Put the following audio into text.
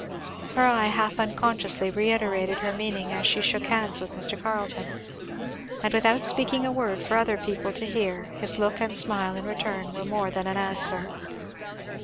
Her eye half unconsciously reiterated her meaning as she shook hands with Mr. Carleton. And without speaking a word for other people to hear, his look and smile in return were more than an answer.